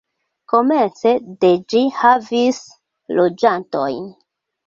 Komence de ĝi havis loĝantojn.